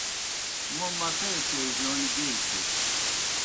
موْ مکئی پیڙِیون گیئی سِس۔